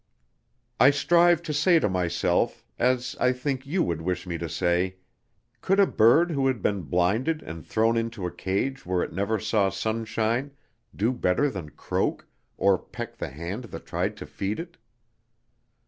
I strive to say to myself, as I think you would wish me to say, 'Could a bird who had been blinded and thrown into a cage where it never saw sunshine, do better than croak, or peck the hand that tried to feed it?'